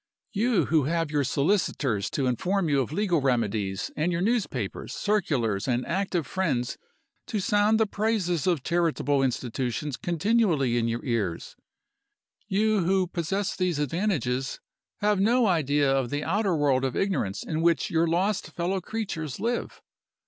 "You, who have your solicitors to inform you of legal remedies and your newspapers, circulars, and active friends to sound the praises of charitable institutions continually in your ears you, who possess these advantages, have no idea of the outer world of ignorance in which your lost fellow creatures live.